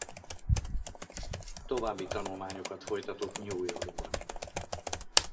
További tanulmányokat folytatott New Yorkban.